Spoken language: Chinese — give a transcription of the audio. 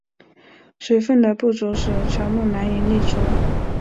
水分的不足使乔木难以立足。